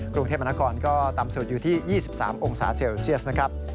กรุงเทพมนาคอนก็ต่ำสุดอยู่ที่๒๓องศาเซลเซียสนะครับ